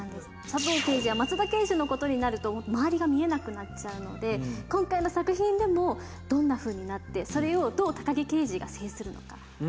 佐藤刑事は松田刑事のことになると周りが見えなくなっちゃうので今回の作品でもどんなふうになってそれをどう高木刑事が制するのか。